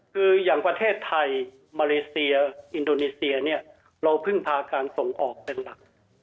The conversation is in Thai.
คืออย่างประเทศไทยมาเลเซียอินโดนีเซียเนี่ยเราเพิ่งพาการส่งออกเป็นหลัก